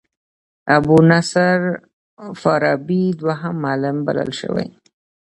ابو نصر فارابي دوهم معلم بلل شوی.